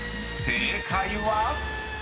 ［正解は⁉］